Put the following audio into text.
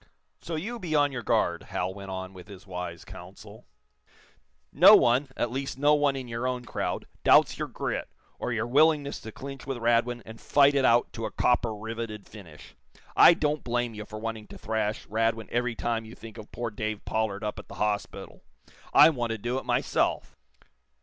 "So you be on your guard," Hal went on with his wise counsel. "No one at least, no one in your own crowd doubts your grit, or your willingness to clinch with Radwin and fight it out to a copper riveted finish. I don't blame you for wanting to thrash Radwin every time you think of poor Dave Pollard up at the hospital. I want to do it myself.